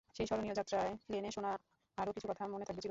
সেই স্মরণীয় যাত্রায় প্লেনে শোনা আরও কিছু কথা মনে থাকবে চিরদিন।